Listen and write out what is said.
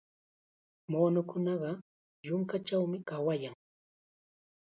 Muunukunaqa yunkachawmi kawayan.